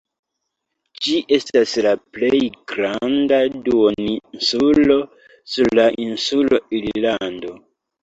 Ĝi estas la plej granda duoninsulo sur la insulo Irlando.